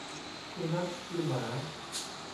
สุนัขคือหมา